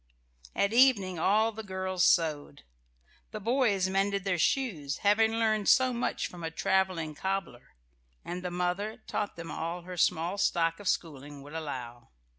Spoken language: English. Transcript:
At evening all the girls sewed; the boys mended their shoes, having learned so much from a travelling cobbler; and the mother taught them all her small stock of schooling would allow.